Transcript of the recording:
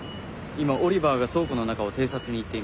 今オリバーが倉庫の中を偵察に行っています。